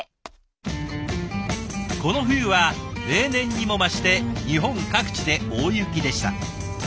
この冬は例年にも増して日本各地で大雪でした。